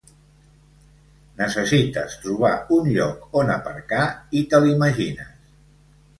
Necessites trobar un lloc on aparcar, i te l'imagines.